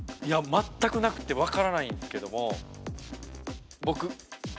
まったくなくて分からないんすけども。